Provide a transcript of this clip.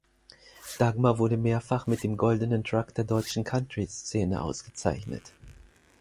Dagmar wurde mehrfach mit dem "Goldenen Truck" der deutschen Country-Szene ausgezeichnet.